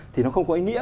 thì nó không có ý nghĩa